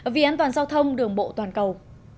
vì an toàn giao thông đường bộ toàn cầu